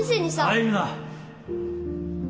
入るな